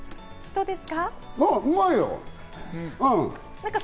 どうですか？